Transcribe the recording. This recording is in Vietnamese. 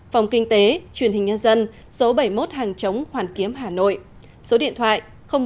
phòng kinh tế truyền hình nhân dân số bảy mươi một hàng chống hoàn kiếm hà nội số điện thoại bốn mươi ba hai trăm sáu mươi sáu chín nghìn năm trăm linh ba